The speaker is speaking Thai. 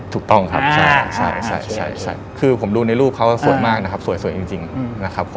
ถูกต้องครับใช่คือผมดูในรูปเขาสวยมากนะครับสวยจริงนะครับผม